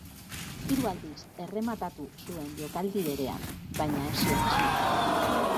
Hiru aldiz errematatu zuen jokaldi berean, baina ez zuen asmatu.